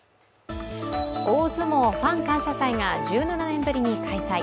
大相撲ファン感謝祭が１７年ぶりに開催。